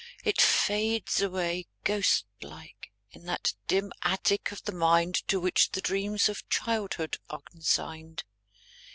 It fades away. Ghost like, in that dim attic of the mind To which the dreams of childhood are consigned.